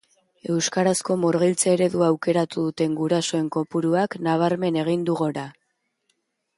Euskarazko murgiltze eredua aukeratu duten gurasoen kopuruak nabarmen egin du gora.